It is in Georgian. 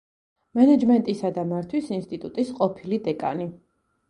მენეჯმენტისა და მართვის ინსტიტუტის ყოფილი დეკანი.